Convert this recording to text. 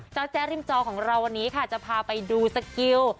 เจ้าแจริ้มจอวันนี้จะพาไปดูสกิล